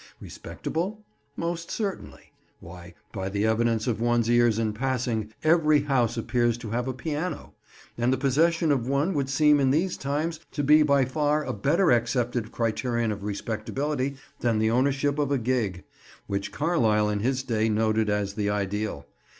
Respectable? Most certainly; why, by the evidence of one's ears in passing, every house appears to have a piano; and the possession of one would seem in these times to be by far a better accepted criterion of respectability than the ownership of a gig; which Carlyle in his day noted as the ideal.